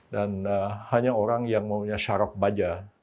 dan hanya orang yang maunya syarok baja